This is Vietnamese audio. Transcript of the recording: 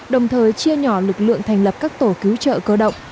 đồng thời chia nhỏ lực lượng thành lập các tổ cứu trợ cơ động